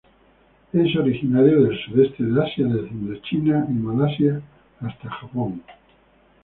Es originario del sudeste de Asia desde Indochina y Malasia hasta Japón.